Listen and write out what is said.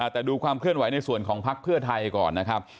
แต่ดูความเคลื่อนไหวในส่วนของพักเพื่อไทยก่อนนะครับ